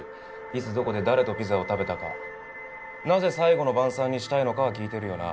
いつどこで誰とピザを食べたかなぜ最後の晩餐にしたいのかは聞いてるよな？